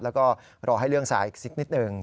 แล้วก็รอให้เรื่องสายอีกสักนิดหนึ่ง